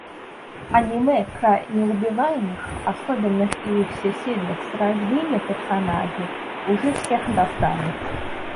Аниме про неубиваемых, особенных и всесильных с рождения персонажей уже всех достали.